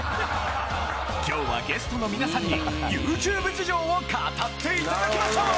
今日はゲストの皆さんにＹｏｕＴｕｂｅ事情を語っていただきましょう！